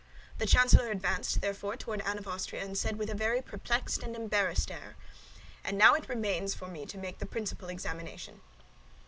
The chancellor advanced, therefore, toward Anne of Austria, and said with a very perplexed and embarrassed air, "And now it remains for me to make the principal examination."